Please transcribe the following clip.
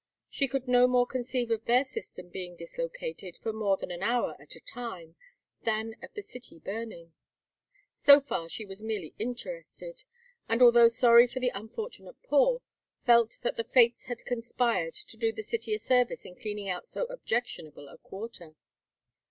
She could no more conceive of their system being dislocated for more than an hour at a time than of the city burning. So far she was merely interested, and although sorry for the unfortunate poor, felt that the fates had conspired to do the city a service in cleaning out so objectionable a quarter.